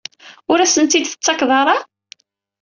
Ur asen-tent-id-tettakeḍ ara?